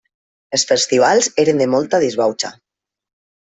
Els festivals eren de molta disbauxa.